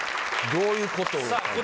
どういうことかな？